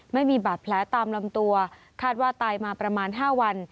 ไม่มีบาดแผลตามลำตัวคาดว่าตายมาประมาณ๕วัน